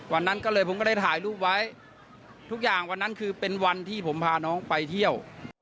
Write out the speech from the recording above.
วันนั้นก็เลยผมก็ได้ถ่ายรูปไว้ทุกอย่างวันนั้นคือเป็นวันที่ผมพาน้องไปเที่ยว